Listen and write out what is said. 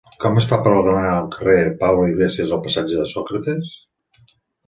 Com es fa per anar del carrer de Pablo Iglesias al passatge de Sòcrates?